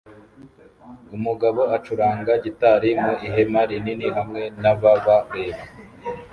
Umugabo acuranga gitari mu ihema rinini hamwe nababareba